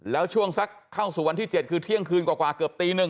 แล้วช่วงสักเข้าสู่วันที่๗คือเที่ยงคืนกว่าเกือบตีหนึ่ง